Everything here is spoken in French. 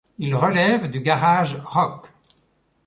Il relève du garage rock.